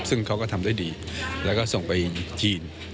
ซึ่งเขาก็ทำได้ดีแล้วก็ส่งไปจีน